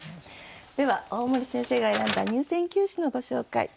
では大森先生が選んだ入選九首のご紹介。